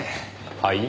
はい？